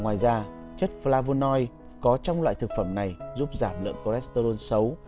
ngoài ra chất flavonoi có trong loại thực phẩm này giúp giảm lượng cholesterol xấu